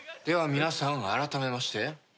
では皆さん改めまして。